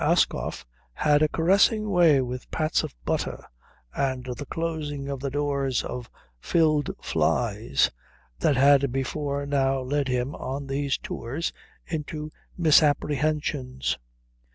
Ascough had a caressing way with pats of butter and the closing of the doors of filled flys that had before now led him, on these tours, into misapprehensions.